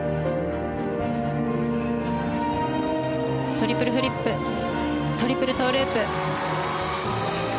トリプルフリップトリプルトウループ。